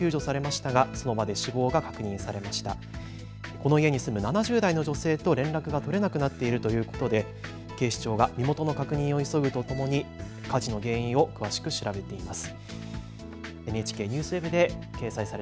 この家に住む７０代の女性と連絡が取れなくなっているということで警視庁が身元の確認を急ぐとともに火事の原因を詳しく調べています。